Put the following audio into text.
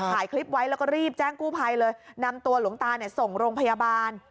ถ่ายคลิปไว้แล้วก็รีบแจ้งกู้ภัยเลยนำตัวหลวงตาเนี่ยส่งโรงพยาบาล